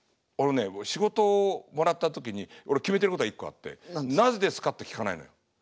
俺ね仕事をもらった時に俺決めてることが一個あって「なぜですか？」って聞かないのよ。